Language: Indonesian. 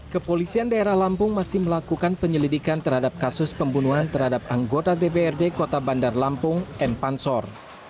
kepolisian daerah lampung masih melakukan penyelidikan terhadap kasus pembunuhan terhadap anggota dprd kota bandar lampung m pansor